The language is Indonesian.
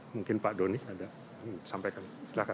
mungkin pak doni ada yang mau sampaikan silahkan